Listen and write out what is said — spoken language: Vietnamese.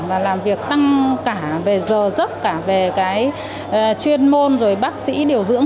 và làm việc tăng cả về giờ giấc cả về cái chuyên môn rồi bác sĩ điều dưỡng